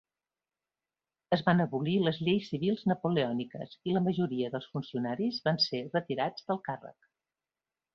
Es van abolir les lleis civils napoleòniques i la majoria dels funcionaris van ser retirats del càrrec.